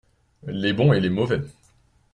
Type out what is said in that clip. Les bons et les mauvais.